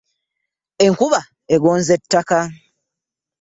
Enkuba egonza ettaka.